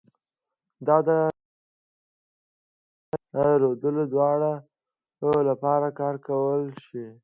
دا د شعار او مسؤلیت ردولو دواړو لپاره کار کولی شي